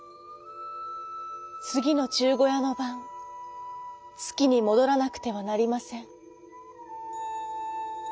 つぎのじゅうごやのばんつきにもどらなくてはなりません」。